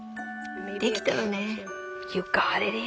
できたわね。